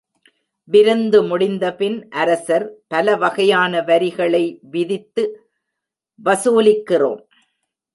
விருந்து முடிந்தபின், அரசர், பல வகையான வரிகளை விதித்து வசூலிக்கிறோம்.